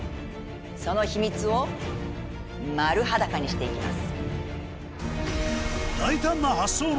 その秘密をマル裸にしていきます。